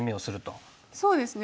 そうですね